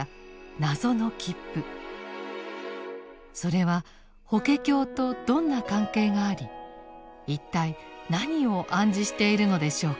それは法華経とどんな関係があり一体何を暗示しているのでしょうか。